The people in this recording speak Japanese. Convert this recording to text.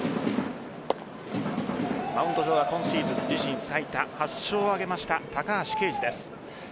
マウンド上は今シーズン自身最多８勝を挙げました高橋奎二です。